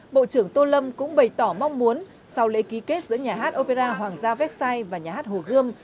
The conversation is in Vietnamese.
bộ trưởng tô lâm cũng bày tỏ mong muốn sau lễ ký kết giữa nhà hát opera hoàng gia vecsai và nhà hát hồ gươm